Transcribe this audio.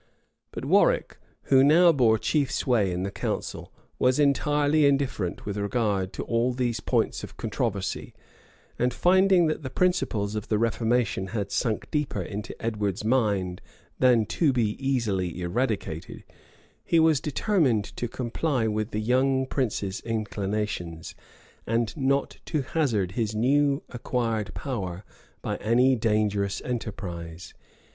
But Warwick, who now bore chief sway in the council, was entirely indifferent with regard to all these points of controversy; and finding that the principles of the reformation had sunk deeper into Edward's mind than to be easily eradicated, he was determined to comply with the young prince's inclinations, and not to hazard his new acquired power by any dangerous enterprise.